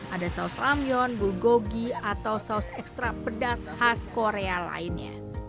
ada saus lampion bulgogi atau saus ekstra pedas khas korea lainnya